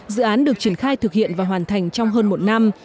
dự án được triển khai thực hiện và hoàn thành trong hơn một năm